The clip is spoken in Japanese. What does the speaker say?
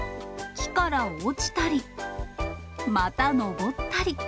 木から落ちたり、また登ったり。